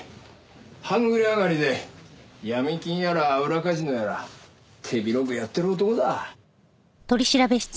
半グレ上がりでヤミ金やら裏カジノやら手広くやってる男だ。